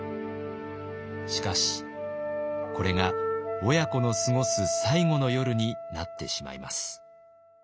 しかしこれが親子の過ごす最後の夜になってしまいます。